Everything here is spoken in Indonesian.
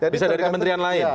bisa dari kementerian lain